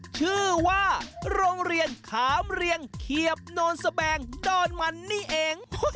ชื่อว่าโรงเรียนขามเรียงเขียบโนนสแบงดอนมันนี่เอง